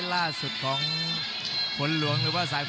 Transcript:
ท่านฝนรวมหรือสายฝน